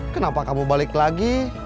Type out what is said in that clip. kenapa kamu balik lagi